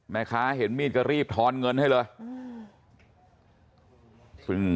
แม่ค้าเห็นมีดก็รีบทอนเงินให้เลย